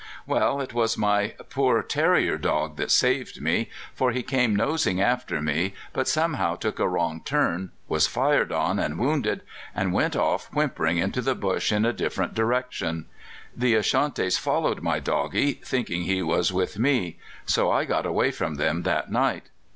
Well, it was my poor terrier dog that saved me; for he came nosing after me, but somehow took a wrong turn, was fired on and wounded, and went off whimpering into the bush in a different direction. The Ashantis followed my doggie, thinking he was with me; so I got away from them that night.